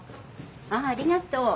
ああありがとう。